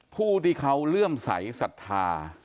ผู้ที่เขาเลื่อมใสสัทธา